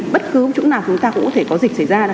bất cứ chỗ nào chúng ta cũng có dịch xảy ra